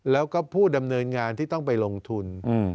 แล้วก็ผู้ดำเนินงานที่ต้องไปลงทุน